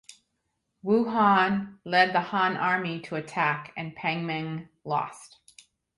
Wu Han led the Han army to attack and Pang Meng lost.